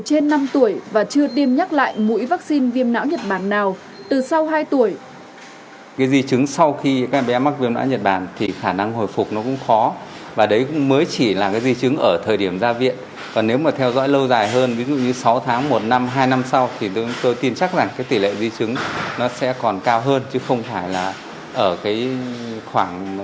trên năm tuổi và chưa tiêm nhắc lại mũi vaccine viêm não nhật bản nào